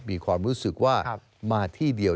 มีความรู้สึกว่ามาที่เดียว